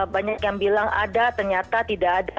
banyak yang bilang ada ternyata tidak ada